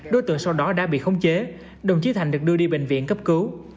đối tượng sau đó đã bị khống chế đồng chí thành được đưa đi bệnh viện cấp cứu